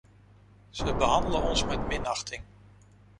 Ze behandelen ons met minachting.